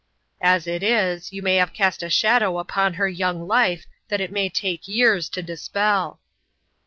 As it is, you may have cast a shadow upon her young Life that it may take years to dispel